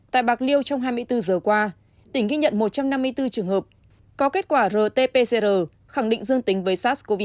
tại bạc liêu trong hai mươi bốn giờ qua tỉnh ghi nhận một trăm năm mươi bốn trường hợp có kết quả rt pcr khẳng định dương tính với sars cov hai